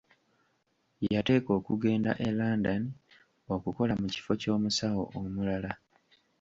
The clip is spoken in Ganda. Yateekwa okugenda e London okukola mu kifo ky'omusawo omulala.